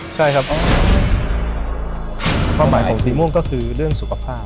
ที่ประมาณของสีม่วงคือเรื่องสุขภาพ